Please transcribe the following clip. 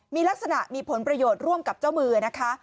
มีลักษณะมีผลประโยชน์ร่วมกับเจ้ามือนะคะ